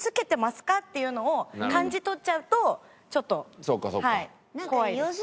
っていうのを感じ取っちゃうとちょっと怖いです。